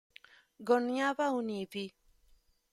Goiânia: Univ.